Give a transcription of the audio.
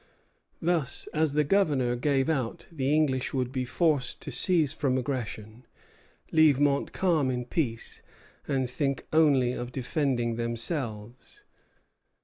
Thus, as the Governor gave out, the English would be forced to cease from aggression, leave Montcalm in peace, and think only of defending themselves.